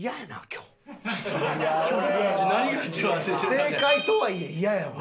正解とはいえイヤやわ。